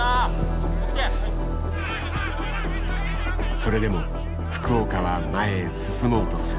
それでも福岡は前へ進もうとする。